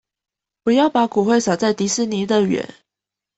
不要把骨灰灑在迪士尼樂園